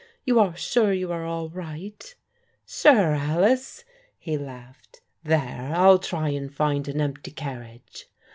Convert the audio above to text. You are sure you are all right ?"" Sure, Alice," he laughed. " There, Til try and find an empty carriage."